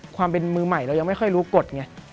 ความเป็นมือใหม่เรายังไม่ค่อยรู้กฎไง